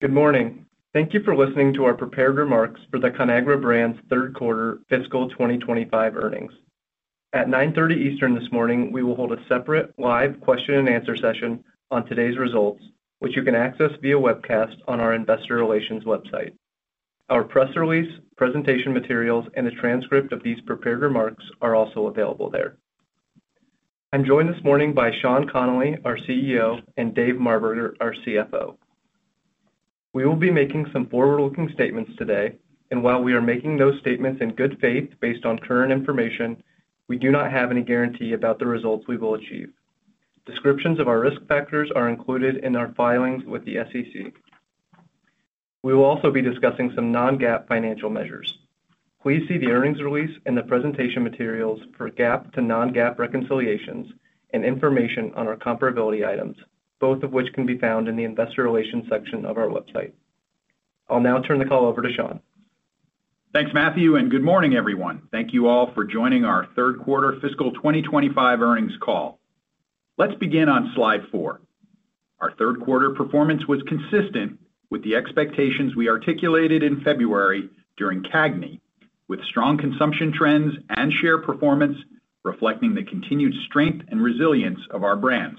Good morning. Thank you for listening to our prepared remarks for the Conagra Brands third quarter fiscal 2025 earnings. At 9:30 A.M. Eastern this morning, we will hold a separate live question-and-answer session on today's results, which you can access via webcast on our investor relations website. Our press release, presentation materials, and a transcript of these prepared remarks are also available there. I'm joined this morning by Sean Connolly, our CEO, and Dave Marberger, our CFO. We will be making some forward-looking statements today, and while we are making those statements in good faith based on current information, we do not have any guarantee about the results we will achieve. Descriptions of our risk factors are included in our filings with the SEC. We will also be discussing some non-GAAP financial measures. Please see the earnings release and the presentation materials for GAAP to non-GAAP reconciliations and information on our comparability items, both of which can be found in the investor relations section of our website. I'll now turn the call over to Sean. Thanks, Matthew, and good morning, everyone. Thank you all for joining our third quarter fiscal 2025 earnings call. Let's begin on slide four. Our third quarter performance was consistent with the expectations we articulated in February during CAGNI, with strong consumption trends and share performance reflecting the continued strength and resilience of our brands.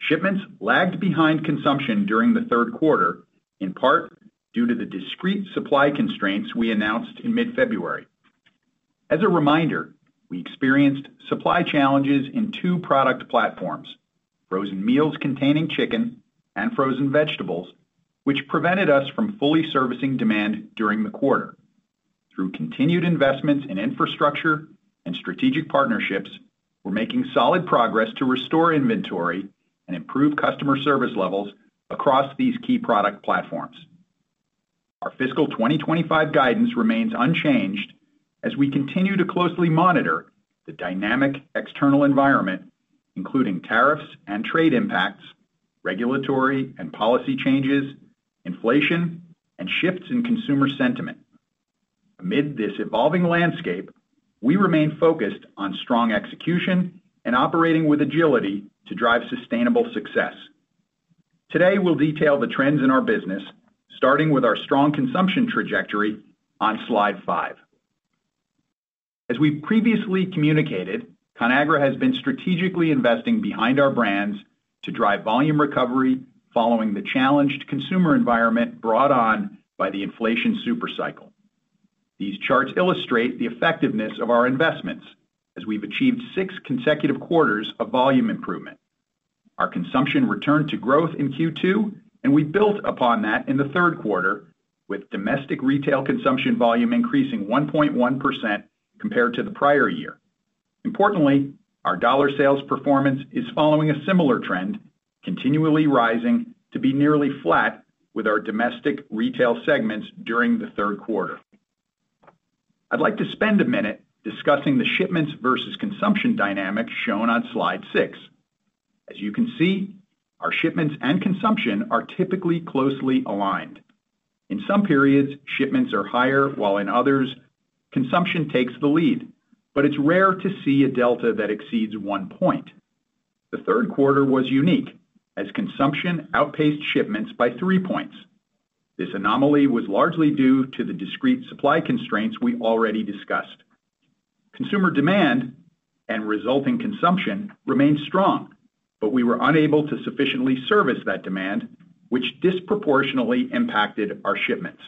Shipments lagged behind consumption during the third quarter, in part due to the discrete supply constraints we announced in mid-February. As a reminder, we experienced supply challenges in two product platforms: frozen meals containing chicken and frozen vegetables, which prevented us from fully servicing demand during the quarter. Through continued investments in infrastructure and strategic partnerships, we're making solid progress to restore inventory and improve customer service levels across these key product platforms. Our fiscal 2025 guidance remains unchanged as we continue to closely monitor the dynamic external environment, including tariffs and trade impacts, regulatory and policy changes, inflation, and shifts in consumer sentiment. Amid this evolving landscape, we remain focused on strong execution and operating with agility to drive sustainable success. Today, we'll detail the trends in our business, starting with our strong consumption trajectory on slide five. As we've previously communicated, Conagra has been strategically investing behind our brands to drive volume recovery following the challenged consumer environment brought on by the inflation supercycle. These charts illustrate the effectiveness of our investments as we've achieved six consecutive quarters of volume improvement. Our consumption returned to growth in Q2, and we built upon that in the third quarter, with domestic retail consumption volume increasing 1.1% compared to the prior year. Importantly, our dollar sales performance is following a similar trend, continually rising to be nearly flat with our domestic retail segments during the third quarter. I'd like to spend a minute discussing the shipments versus consumption dynamic shown on slide six. As you can see, our shipments and consumption are typically closely aligned. In some periods, shipments are higher, while in others, consumption takes the lead, but it's rare to see a delta that exceeds one point. The third quarter was unique as consumption outpaced shipments by three points. This anomaly was largely due to the discrete supply constraints we already discussed. Consumer demand and resulting consumption remained strong, but we were unable to sufficiently service that demand, which disproportionately impacted our shipments.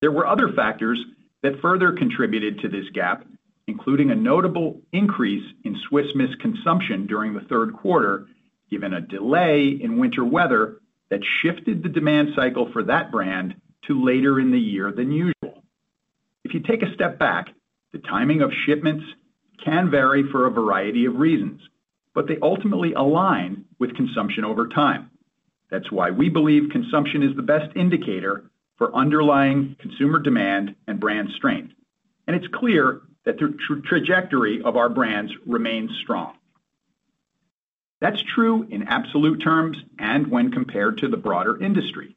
There were other factors that further contributed to this gap, including a notable increase in Swiss Miss consumption during the third quarter, given a delay in winter weather that shifted the demand cycle for that brand to later in the year than usual. If you take a step back, the timing of shipments can vary for a variety of reasons, but they ultimately align with consumption over time. That's why we believe consumption is the best indicator for underlying consumer demand and brand strength, and it's clear that the trajectory of our brands remains strong. That's true in absolute terms and when compared to the broader industry.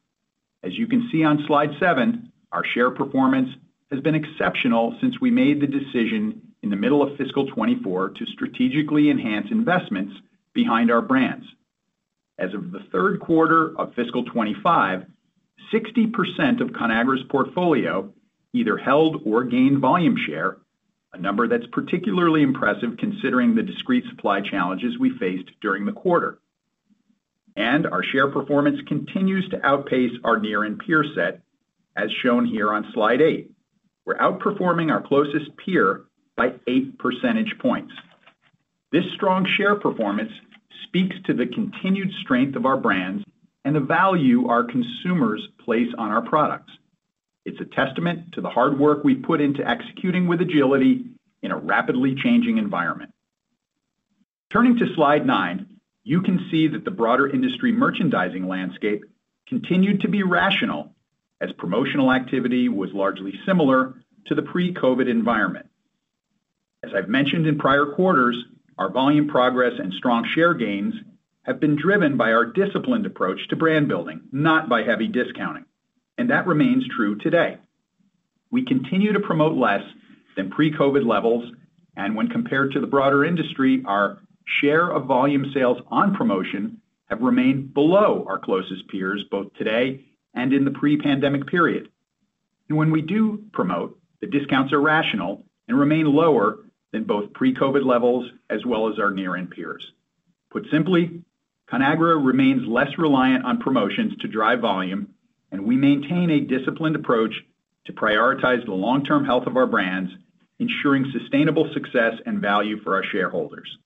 As you can see on slide seven, our share performance has been exceptional since we made the decision in the middle of fiscal 2024 to strategically enhance investments behind our brands. As of the third quarter of fiscal 2025, 60% of Conagra's portfolio either held or gained volume share, a number that's particularly impressive considering the discrete supply challenges we faced during the quarter. Our share performance continues to outpace our near-in peer set, as shown here on slide eight. We're outperforming our closest peer by eight percentage points. This strong share performance speaks to the continued strength of our brands and the value our consumers place on our products. It's a testament to the hard work we put into executing with agility in a rapidly changing environment. Turning to slide nine, you can see that the broader industry merchandising landscape continued to be rational as promotional activity was largely similar to the pre-COVID environment. As I've mentioned in prior quarters, our volume progress and strong share gains have been driven by our disciplined approach to brand building, not by heavy discounting, and that remains true today. We continue to promote less than pre-COVID levels, and when compared to the broader industry, our share of volume sales on promotion have remained below our closest peers both today and in the pre-pandemic period. When we do promote, the discounts are rational and remain lower than both pre-COVID levels as well as our near-in peers. Put simply, Conagra remains less reliant on promotions to drive volume, and we maintain a disciplined approach to prioritize the long-term health of our brands, ensuring sustainable success and value for our shareholders.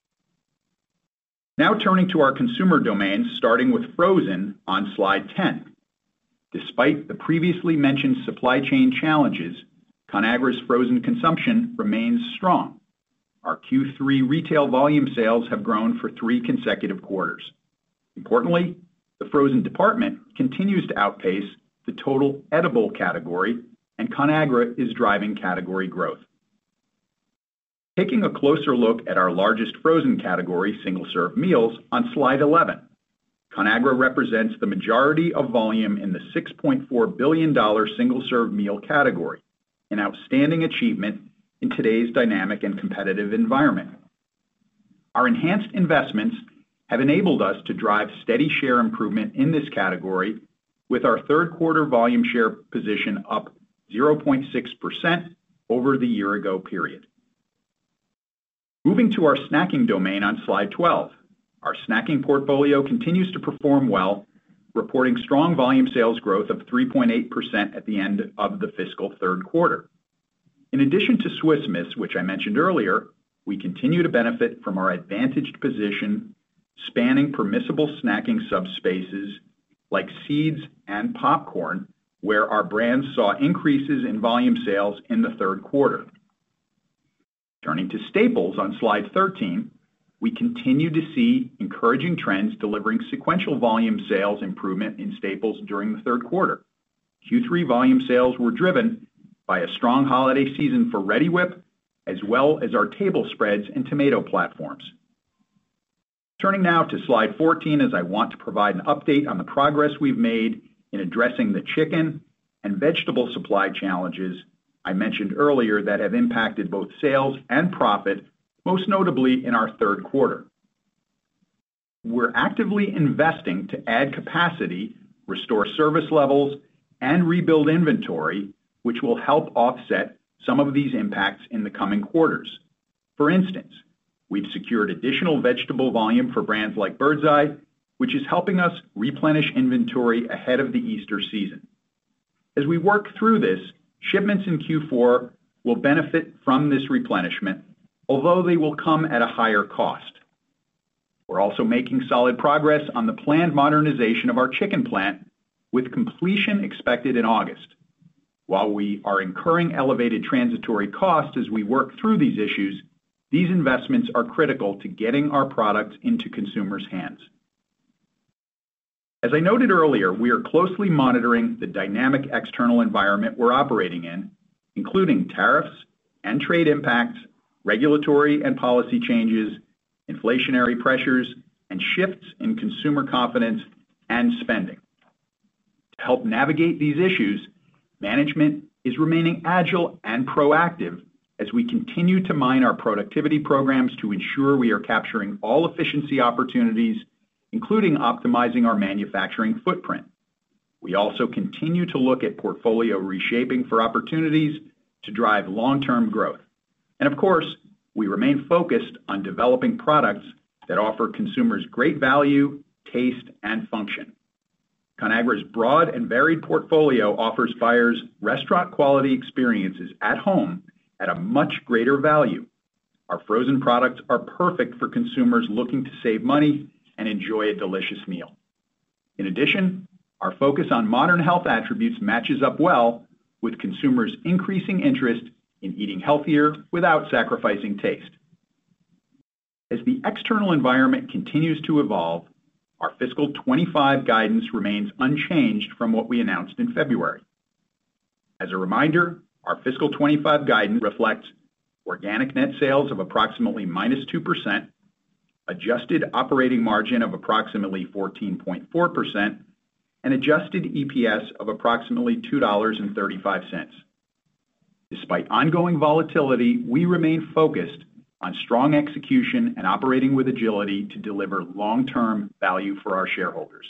Now turning to our consumer domains, starting with frozen on slide 10. Despite the previously mentioned supply chain challenges, Conagra's frozen consumption remains strong. Our Q3 retail volume sales have grown for three consecutive quarters. Importantly, the frozen department continues to outpace the total edible category, and Conagra is driving category growth. Taking a closer look at our largest frozen category, single-serve meals, on slide 11, Conagra represents the majority of volume in the $6.4 billion single-serve meal category, an outstanding achievement in today's dynamic and competitive environment. Our enhanced investments have enabled us to drive steady share improvement in this category, with our third quarter volume share position up 0.6% over the year-ago period. Moving to our snacking domain on slide 12, our snacking portfolio continues to perform well, reporting strong volume sales growth of 3.8% at the end of the fiscal third quarter. In addition to Swiss Miss, which I mentioned earlier, we continue to benefit from our advantaged position spanning permissible snacking subspaces like seeds and popcorn, where our brands saw increases in volume sales in the third quarter. Turning to staples on slide 13, we continue to see encouraging trends delivering sequential volume sales improvement in staples during the third quarter. Q3 volume sales were driven by a strong holiday season for Reddi-wip, as well as our table spreads and tomato platforms. Turning now to slide 14, as I want to provide an update on the progress we've made in addressing the chicken and vegetable supply challenges I mentioned earlier that have impacted both sales and profit, most notably in our third quarter. We're actively investing to add capacity, restore service levels, and rebuild inventory, which will help offset some of these impacts in the coming quarters. For instance, we've secured additional vegetable volume for brands like Birds Eye, which is helping us replenish inventory ahead of the Easter season. As we work through this, shipments in Q4 will benefit from this replenishment, although they will come at a higher cost. We're also making solid progress on the planned modernization of our chicken plant, with completion expected in August. While we are incurring elevated transitory costs as we work through these issues, these investments are critical to getting our products into consumers' hands. As I noted earlier, we are closely monitoring the dynamic external environment we're operating in, including tariffs and trade impacts, regulatory and policy changes, inflationary pressures, and shifts in consumer confidence and spending. To help navigate these issues, management is remaining agile and proactive as we continue to mine our productivity programs to ensure we are capturing all efficiency opportunities, including optimizing our manufacturing footprint. We also continue to look at portfolio reshaping for opportunities to drive long-term growth. Of course, we remain focused on developing products that offer consumers great value, taste, and function. Conagra's broad and varied portfolio offers buyers restaurant-quality experiences at home at a much greater value. Our frozen products are perfect for consumers looking to save money and enjoy a delicious meal. In addition, our focus on modern health attributes matches up well with consumers' increasing interest in eating healthier without sacrificing taste. As the external environment continues to evolve, our fiscal 2025 guidance remains unchanged from what we announced in February. As a reminder, our fiscal 2025 guidance reflects organic net sales of approximately -2%, adjusted operating margin of approximately 14.4%, and adjusted EPS of approximately $2.35. Despite ongoing volatility, we remain focused on strong execution and operating with agility to deliver long-term value for our shareholders.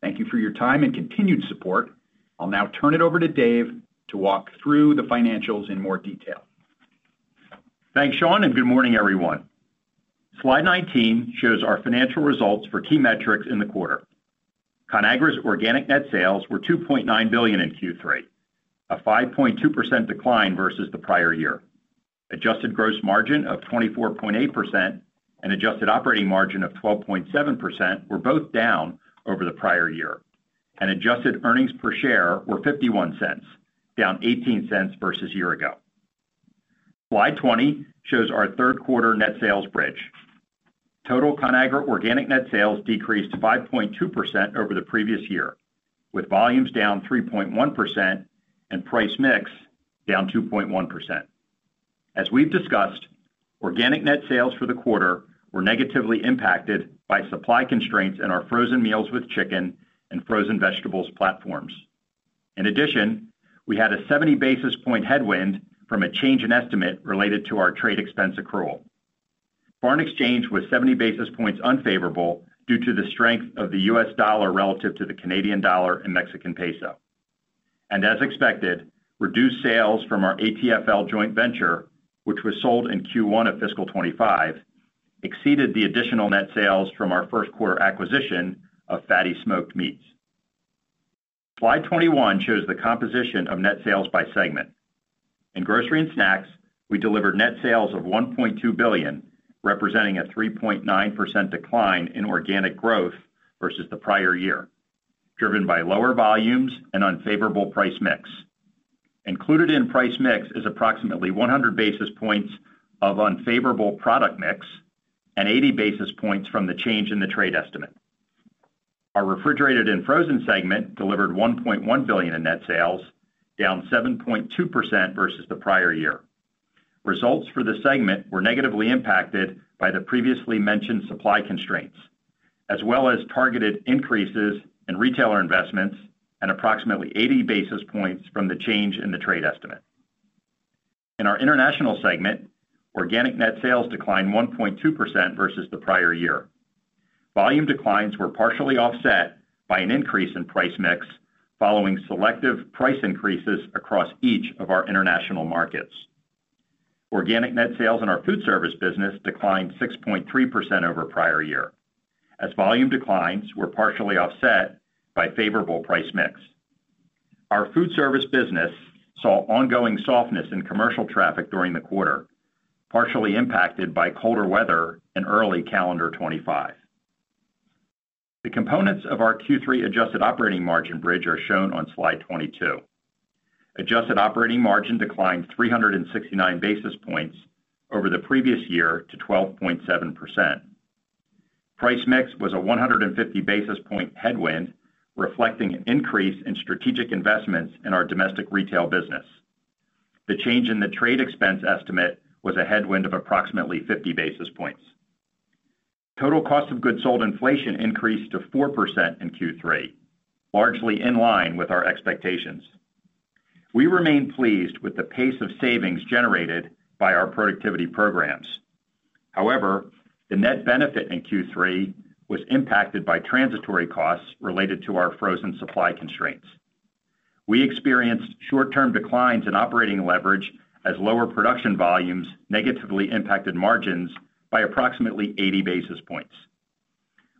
Thank you for your time and continued support. I'll now turn it over to Dave to walk through the financials in more detail. Thanks, Sean, and good morning, everyone. Slide 19 shows our financial results for key metrics in the quarter. Conagra's organic net sales were $2.9 billion in Q3, a 5.2% decline versus the prior year. Adjusted gross margin of 24.8% and adjusted operating margin of 12.7% were both down over the prior year. Adjusted earnings per share were $0.51, down $0.18 versus a year ago. Slide 20 shows our third quarter net sales bridge. Total Conagra organic net sales decreased 5.2% over the previous year, with volumes down 3.1% and price mix down 2.1%. As we've discussed, organic net sales for the quarter were negatively impacted by supply constraints in our frozen meals with chicken and frozen vegetables platforms. In addition, we had a 70 basis point headwind from a change in estimate related to our trade expense accrual. Foreign exchange was 70 basis points unfavorable due to the strength of the US dollar relative to the Canadian dollar and Mexican peso. As expected, reduced sales from our ATFL joint venture, which was sold in Q1 of fiscal 2025, exceeded the additional net sales from our first quarter acquisition of FATTY Smoked Meat Sticks. Slide 21 shows the composition of net sales by segment. In Grocery and Snacks, we delivered net sales of $1.2 billion, representing a 3.9% decline in organic growth versus the prior year, driven by lower volumes and unfavorable price mix. Included in price mix is approximately 100 basis points of unfavorable product mix and 80 basis points from the change in the trade estimate. Our Refrigerated and Frozen segment delivered $1.1 billion in net sales, down 7.2% versus the prior year. Results for the segment were negatively impacted by the previously mentioned supply constraints, as well as targeted increases in retailer investments and approximately 80 basis points from the change in the trade estimate. In our International segment, organic net sales declined 1.2% versus the prior year. Volume declines were partially offset by an increase in price mix following selective price increases across each of our international markets. Organic net sales in our food service business declined 6.3% over prior year, as volume declines were partially offset by favorable price mix. Our food service business saw ongoing softness in commercial traffic during the quarter, partially impacted by colder weather in early calendar 2025. The components of our Q3 adjusted operating margin bridge are shown on slide 22. Adjusted operating margin declined 369 basis points over the previous year to 12.7%. Price mix was a 150 basis point headwind, reflecting an increase in strategic investments in our domestic retail business. The change in the trade expense estimate was a headwind of approximately 50 basis points. Total cost of goods sold inflation increased to 4% in Q3, largely in line with our expectations. We remain pleased with the pace of savings generated by our productivity programs. However, the net benefit in Q3 was impacted by transitory costs related to our frozen supply constraints. We experienced short-term declines in operating leverage as lower production volumes negatively impacted margins by approximately 80 basis points.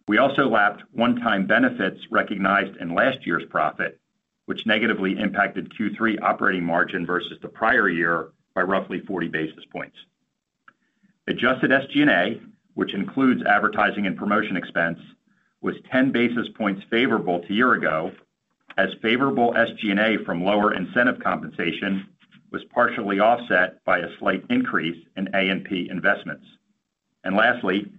We also lapped one-time benefits recognized in last year's profit, which negatively impacted Q3 operating margin versus the prior year by roughly 40 basis points. Adjusted SG&A, which includes advertising and promotion expense, was 10 basis points favorable to a year ago, as favorable SG&A from lower incentive compensation was partially offset by a slight increase in A&P investments. Lastly,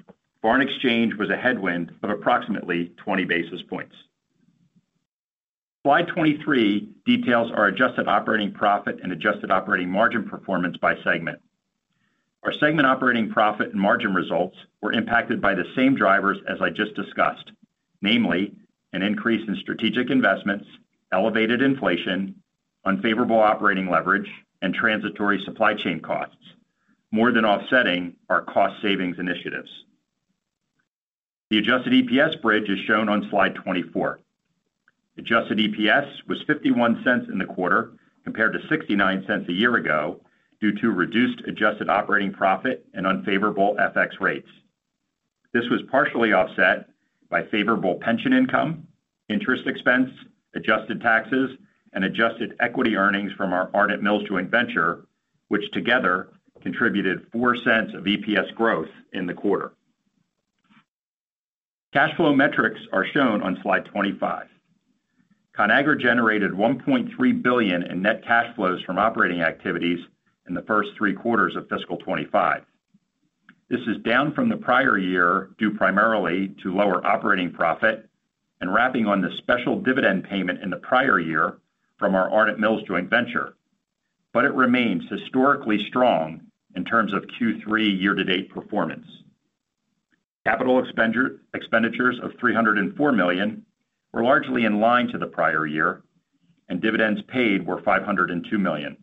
foreign exchange was a headwind of approximately 20 basis points. Slide 23 details our adjusted operating profit and adjusted operating margin performance by segment. Our segment operating profit and margin results were impacted by the same drivers as I just discussed, namely an increase in strategic investments, elevated inflation, unfavorable operating leverage, and transitory supply chain costs, more than offsetting our cost savings initiatives. The adjusted EPS bridge is shown on slide 24. Adjusted EPS was $0.51 in the quarter compared to $0.69 a year ago due to reduced adjusted operating profit and unfavorable FX rates. This was partially offset by favorable pension income, interest expense, adjusted taxes, and adjusted equity earnings from our Ardent Mills joint venture, which together contributed $0.04 of EPS growth in the quarter. Cash flow metrics are shown on slide 25. Conagra generated $1.3 billion in net cash flows from operating activities in the first three quarters of fiscal 2025. This is down from the prior year due primarily to lower operating profit and wrapping on the special dividend payment in the prior year from our Ardent Mills joint venture, but it remains historically strong in terms of Q3 year-to-date performance. Capital expenditures of $304 million were largely in line to the prior year, and dividends paid were $502 million.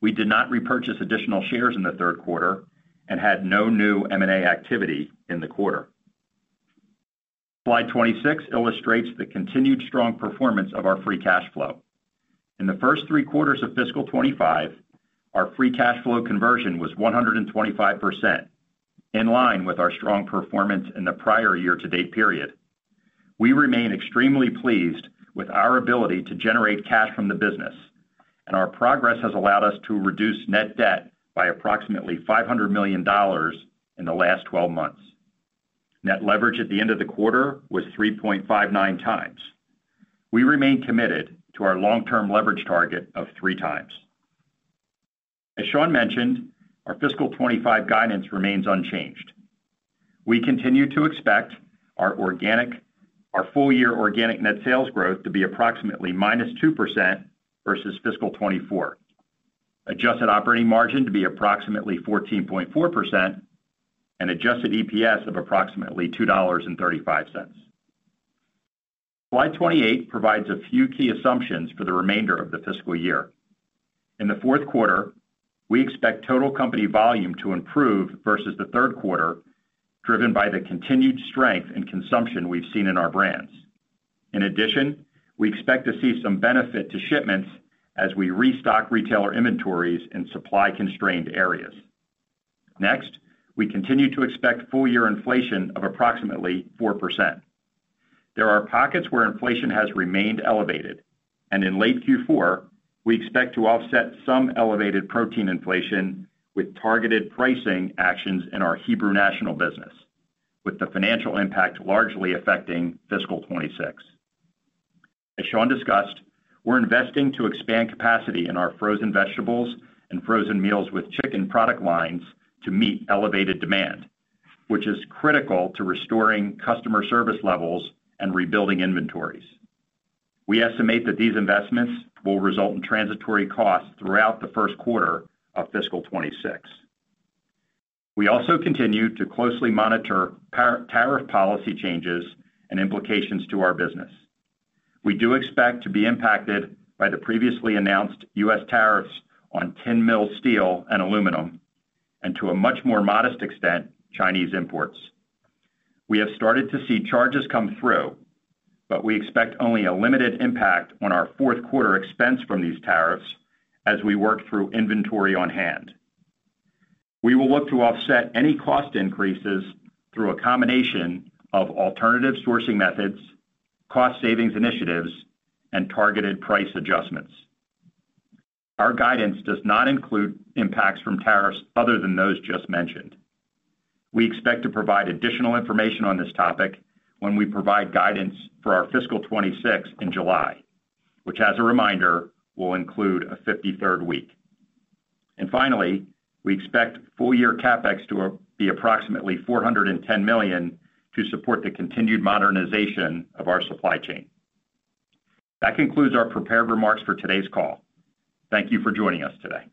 We did not repurchase additional shares in the third quarter and had no new M&A activity in the quarter. Slide 26 illustrates the continued strong performance of our free cash flow. In the first three quarters of fiscal 2025, our free cash flow conversion was 125%, in line with our strong performance in the prior year-to-date period. We remain extremely pleased with our ability to generate cash from the business, and our progress has allowed us to reduce net debt by approximately $500 million in the last 12 months. Net leverage at the end of the quarter was 3.59 times. We remain committed to our long-term leverage target of three times. As Sean mentioned, our fiscal 2025 guidance remains unchanged. We continue to expect our full-year organic net sales growth to be approximately -2% versus fiscal 2024, adjusted operating margin to be approximately 14.4%, and adjusted EPS of approximately $2.35. Slide 28 provides a few key assumptions for the remainder of the fiscal year. In the fourth quarter, we expect total company volume to improve versus the third quarter, driven by the continued strength and consumption we've seen in our brands. In addition, we expect to see some benefit to shipments as we restock retailer inventories in supply-constrained areas. Next, we continue to expect full-year inflation of approximately 4%. There are pockets where inflation has remained elevated, and in late Q4, we expect to offset some elevated protein inflation with targeted pricing actions in our Hebrew National business, with the financial impact largely affecting fiscal 2026. As Sean discussed, we're investing to expand capacity in our frozen vegetables and frozen meals with chicken product lines to meet elevated demand, which is critical to restoring customer service levels and rebuilding inventories. We estimate that these investments will result in transitory costs throughout the first quarter of fiscal 2026. We also continue to closely monitor tariff policy changes and implications to our business. We do expect to be impacted by the previously announced U.S. tariffs on tin mill steel and aluminum, and to a much more modest extent, Chinese imports. We have started to see charges come through, but we expect only a limited impact on our fourth quarter expense from these tariffs as we work through inventory on hand. We will look to offset any cost increases through a combination of alternative sourcing methods, cost savings initiatives, and targeted price adjustments. Our guidance does not include impacts from tariffs other than those just mentioned. We expect to provide additional information on this topic when we provide guidance for our fiscal 2026 in July, which, as a reminder, will include a 53rd week. Finally, we expect full-year CapEx to be approximately $410 million to support the continued modernization of our supply chain. That concludes our prepared remarks for today's call. Thank you for joining us today.